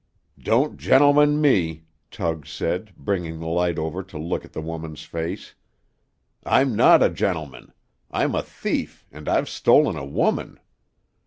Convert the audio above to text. "Don't gentleman me," Tug said, bringing the light over to look at the woman's face. "I'm not a gentleman; I'm a thief, and I've stolen a woman.